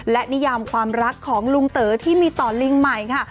และนิยามความรักของลุงเต๋อที่มีต่อลิงใหม่ค่ะ